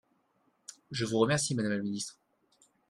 Je vous remercie, madame la ministre